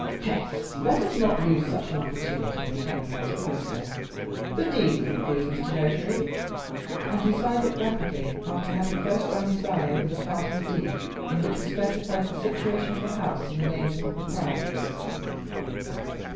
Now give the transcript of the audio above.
"Peste! let us not lose such an opportunity," returned Monte Cristo. "The deed, if you please, Mr. Notary." And he signed it rapidly, after having first run his eye over that part of the deed in which were specified the situation of the house and the names of the proprietors.